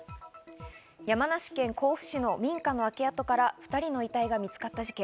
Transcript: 山梨県甲府市の民家の焼け跡から２人の遺体が見つかった事件。